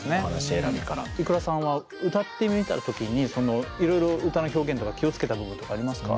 ｉｋｕｒａさんは歌ってみた時にそのいろいろ歌の表現とか気を付けた部分とかありますか？